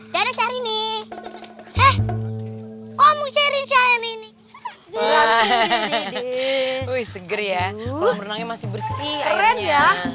hai dan syahrini eh om syahrini syahrini seger ya masih bersih ya